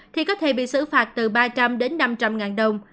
thì có thể bị xử phạt từ ba trăm linh năm trăm linh đồng